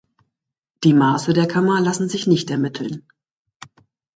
Die Maße der Kammer lassen sich nicht ermitteln.